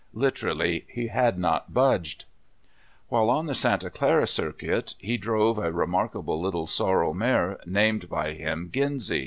Literally he had not budged. While on the Santa Clara Circuit he drove a remarkable little sorrel mare named by him Ginsy.